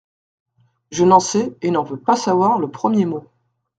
Je n’en sais et n’en veux pas savoir le premier mot.